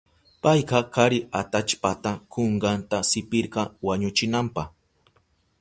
Payka kari atallpata kunkanta sipirka wañuchinanpa.